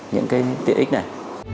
những cái tiện ích này